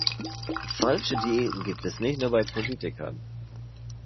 Falsche Diäten gibt es nicht nur bei Politikern.